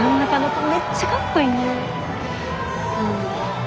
うん。